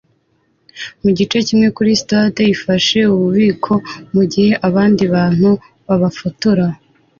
mugice kimwe kuri stade ifashe ububiko mugihe abandi bantu babafotora